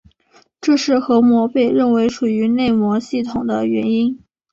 这是核膜被认为属于内膜系统的原因。